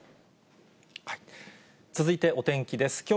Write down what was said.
続いてお天気です。